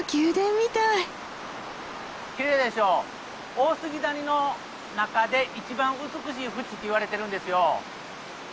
大杉谷の中で一番美しい淵っていわれてるんですよ。